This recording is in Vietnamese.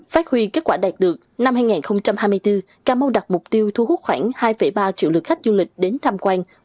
phát huy kết quả đạt được năm hai nghìn hai mươi bốn cà mau đặt mục tiêu thu hút khoảng hai ba triệu lượt khách du lịch đến tham quan